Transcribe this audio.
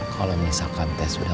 kalau misalkan teh sudah